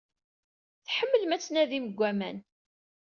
Tḥemmlem ad tnadim deg aman.